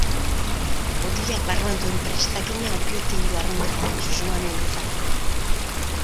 Botilak barruan duen prestakina opio-tindu arrunta da, susmoa nuen bezala.